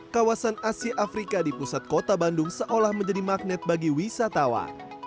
kawasan asia afrika di pusat kota bandung seolah menjadi magnet bagi wisatawan